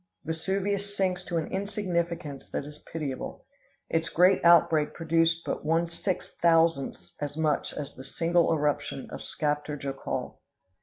Vesuvius sinks to an insignificance that is pitiable; its great outbreak produced but one six thousandths as much as the single eruption of Skaptar Jokul!